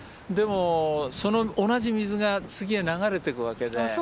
でもその同じ水が次へ流れてくわけで。